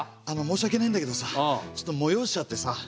あの申し訳ないんだけどさちょっともよおしちゃってさ。